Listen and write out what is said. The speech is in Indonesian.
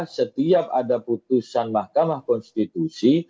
setiap ada putusan mahkamah konstitusi